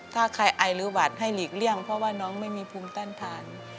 ถ้าใครไอหรือหวัดให้หลีกเลี่ยงเพราะว่าน้องไม่มีภูมิต้านทาน